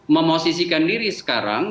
memosisikan diri sekarang